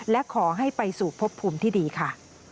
และขอให้ไปสู่พบภูมิที่ดีค่ะ